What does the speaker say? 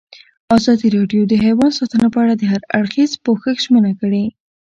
ازادي راډیو د حیوان ساتنه په اړه د هر اړخیز پوښښ ژمنه کړې.